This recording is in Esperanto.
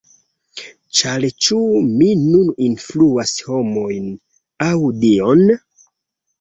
Ĉar ĉu mi nun influas homojn, aŭ Dion?